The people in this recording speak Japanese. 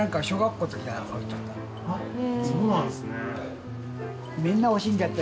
あっそうなんですね。